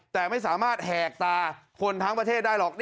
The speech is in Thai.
แต่ไม่สามารถแหกตาคนทั้งประเทศได้หรอก